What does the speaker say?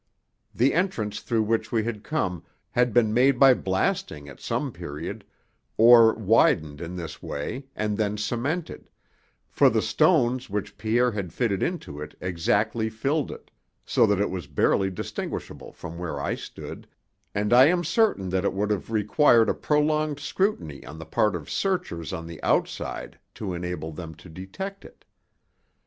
The entrance through which we had come had been made by blasting at some period, or widened in this way, and then cemented, for the stones which Pierre had fitted into it exactly filled it, so that it was barely distinguishable from where I stood, and I am certain that it would have required a prolonged scrutiny on the part of searchers on the outside to enable them to detect it.